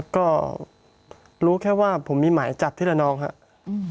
ก็รู้แค่ว่าผมมีหมายจับที่ระนองครับ